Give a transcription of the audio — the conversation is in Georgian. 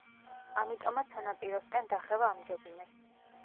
ამიტომაც სანაპიროსკენ დახევა ამჯობინეს.